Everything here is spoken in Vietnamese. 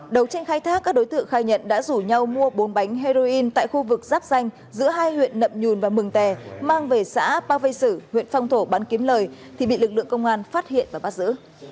đầu tranh khai thác các đối tượng khai nhận đã rủ nhau mua bốn bánh heroin tại khu vực giáp danh giữa hai huyện nậm nhùn và mừng tè mang về xã pa vệ sử huyện phong thổ bán kiếm lời thì bị lực lượng công an phát hiện và bắt giữ